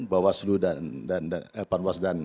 bawah seluruh dan